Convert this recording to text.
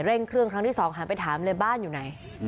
เร่งเครื่องครั้งที่สองหันไปถามเลยบ้านอยู่ไหน